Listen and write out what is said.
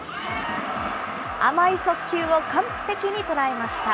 甘い速球を完璧に捉えました。